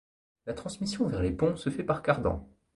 La transmission vers les ponts se fait par cardans.